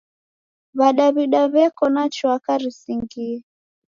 W'adawida w'eko na chwaka risingie!